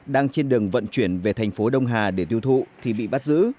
đang trên đường vận chuyển về thành phố đông hà để tiêu thụ thì bị bắt giữ